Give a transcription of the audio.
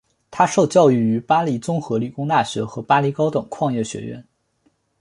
他受教育于巴黎综合理工大学和巴黎高等矿业学院。